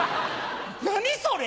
何それ！